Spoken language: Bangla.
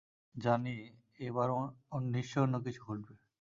জানি, এবার নিশ্চয়ই অন্যকিছু ঘটবে!